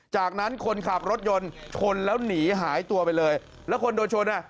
จากนั้นคนขับรถยนต์ชนแล้วหนีหายตัวไปเลยแล้วคนโดนชนอ่ะ